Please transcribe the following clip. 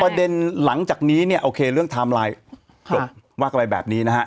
ประเด็นหลังจากนี้เรื่องไทม์ไลน์ว่ากระบายแบบนี้นะครับ